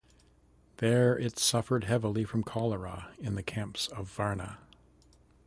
There it suffered heavily from cholera in the camps of Varna.